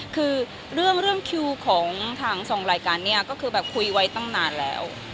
คือเรื่องคิวของทางสองรายการเนี่ยก็คือแบบคุยไว้ตั้งนานแล้ว